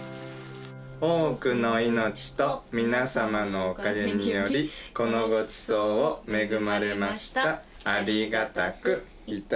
多くの命と皆様のおかげにより、このごちそうを恵まれました。